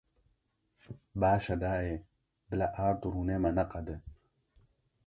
Baş e dayê, bila ard û rûnê me neqede.